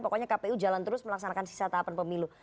pokoknya kpu jalan terus melaksanakan sisa tahapan pemilu